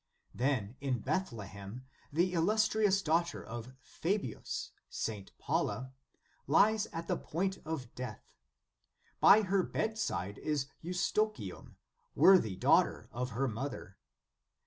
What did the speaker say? Then in Bethlehem, the illustrious daugh ter of Fabius, St. Paula, lies at the point of death. By her bedside is Eustochium, wor thy daughter of her mother.